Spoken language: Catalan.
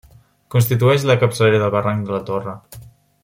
Constitueix la capçalera del barranc de la Torre.